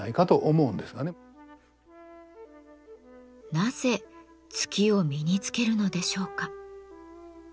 なぜ月を身につけるのでしょうか。